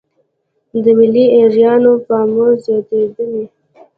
د ملي ايرونو پاموړ زياتېدنې.